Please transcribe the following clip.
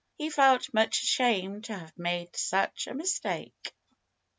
He felt much ashamed to have made such a mistake.